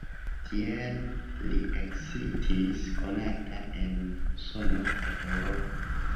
Tiel li ekestis konata en Usono kaj Eŭropo.